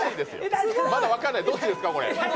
まだ分からない、どっちですか？